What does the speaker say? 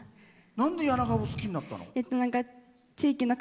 なんで柳川を好きになったの？